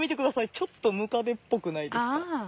ちょっとムカデっぽくないですか？